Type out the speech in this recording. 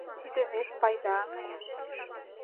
Тиде вес пайда.